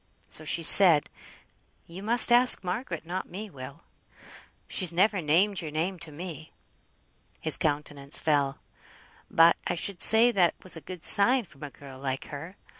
So she said "You must ask Margaret, not me, Will; she's never named your name to me." His countenance fell. "But I should say that was a good sign from a girl like her.